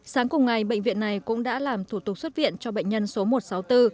sáng cùng ngày bệnh viện này cũng đã làm thủ tục xuất viện cho bệnh nhân số một trăm sáu mươi bốn